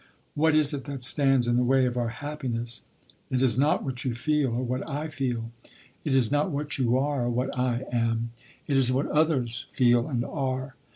What is it that stands in the way of our happiness? It is not what you feel or what I feel; it is not what you are or what I am. It is what others feel and are.